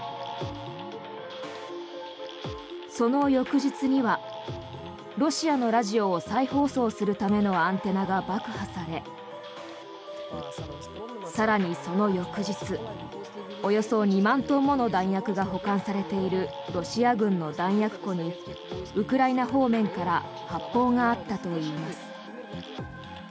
その翌日には、ロシアのラジオを再放送するためのアンテナが爆破され更にその翌日およそ２万トンもの弾薬が保管されているロシア軍の弾薬庫にウクライナ方面から発砲があったといいます。